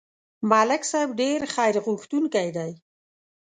ملک صاحب ډېر خیرغوښتونکی دی.